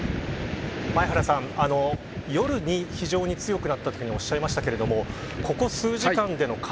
前原さん、夜に非常に強くなったというふうにおっしゃいましたがここ数時間での風